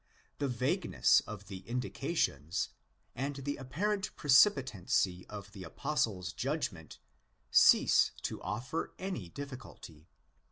The vagueness of the indica tions, and the apparent precipitancy of the Apostle's judgment, cease to offer any difficulty.